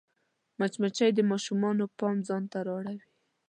مچمچۍ د ماشومانو پام ځان ته رااړوي